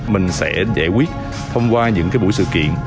mình sẽ giải quyết thông qua những buổi sự kiện